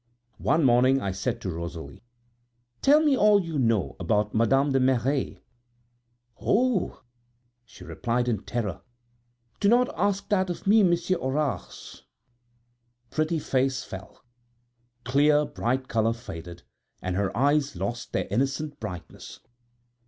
One morning I said to Rosalie: "Tell me all you know about Madame de Merret." "Oh!" she replied in terror, "do not ask that of me, Monsieur Horace." Her pretty face fell her clear, bright color faded and her eyes lost their innocent brightness.